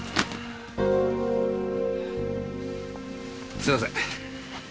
すみません。